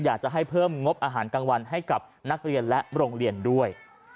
อยากจะให้เพิ่มงบอาหารกลางวันให้กับนักเรียนและโรงเรียนด้วย